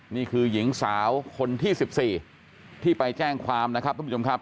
นี่คือหญิงสาวคนที่๑๔ที่ไปแจ้งความนะครับทุกผู้ชมครับ